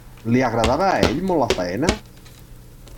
Li agradava a ell molt la faena?